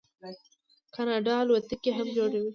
کاناډا الوتکې هم جوړوي.